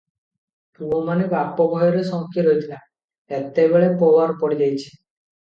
ପୁଅମାନେ ବାପ ଭୟରେ ଶଙ୍କି ରହିଥିଲା, ଏତେବେଳେ ପୋବାର ପଡ଼ିଯାଇଅଛି ।